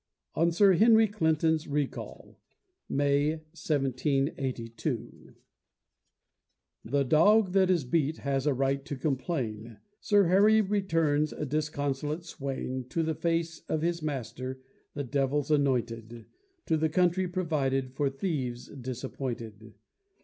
ON SIR HENRY CLINTON'S RECALL [May, 1782] The dog that is beat has a right to complain Sir Harry returns, a disconsolate swain, To the face of his master, the devil's anointed, To the country provided for thieves disappointed.